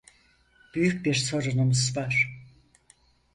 Büyük bir sorunumuz var.